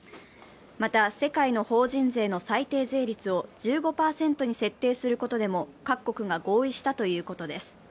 また、世界の法人税の最低税率を１５％に設定することでも各国が合意したということです。